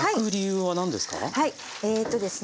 はいえとですね